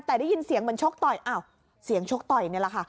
แต่ได้ยินเสียงเหมือนชกต่อยอ้าวเสียงชกต่อยนี่แหละค่ะ